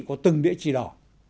của từng địa chỉ đỏ